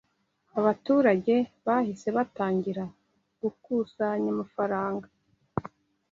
Abaturage bahise batangira gukusanya amafaranga